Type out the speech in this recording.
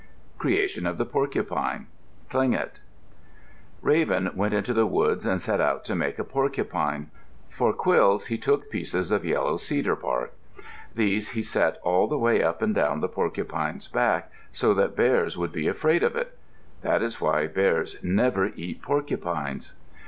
CREATION OF THE PORCUPINE Tlingit Raven went into the woods and set out to make porcupines. For quills he took pieces of yellow cedar bark. These he set all the way up and down the porcupine's back so that bears would be afraid of it. That is why bears never eat porcupines.